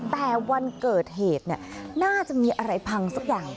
แต่วันเกิดเหตุน่าจะมีอะไรพังสักอย่าง